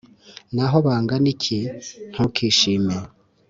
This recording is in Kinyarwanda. N’aho bangana iki, ntukishime